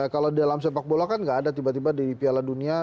kalau dalam sepak bola kan nggak ada tiba tiba di piala dunia